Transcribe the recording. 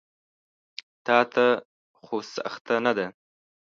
تاته خو سخته نه ده.